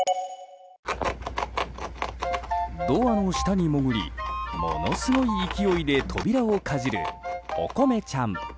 ドアの下に潜りものすごい勢いで扉をかじるおこめちゃん。